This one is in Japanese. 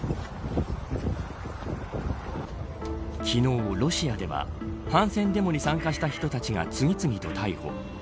昨日、ロシアでは反戦デモに参加した人たちが次々と逮捕。